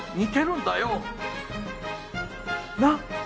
なっ？